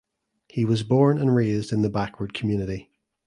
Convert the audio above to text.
He was born and raised in the backward community.